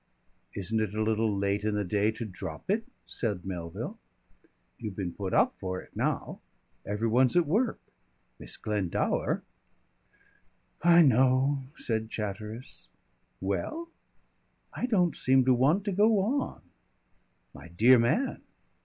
"Isn't it a little late in the day to drop it?" said Melville. "You've been put up for it now. Every one's at work. Miss Glendower " "I know," said Chatteris. "Well?" "I don't seem to want to go on." "My dear man!"